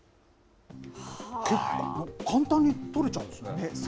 結構、簡単に取れちゃうんですね。